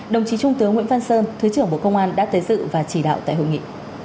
đồng chí trung tướng nguyễn văn sơn thứ trưởng bộ công an đã tới dự và chỉ đạo tại hội nghị